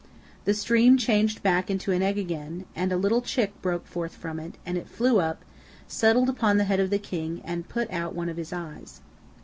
The stream changed back into an egg again, and a little chick broke forth from it, and it flew up, settled upon the head of the king, and put out one of his eyes.